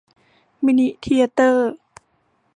มินิเธียเตอร์